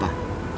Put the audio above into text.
tapi ternyata apa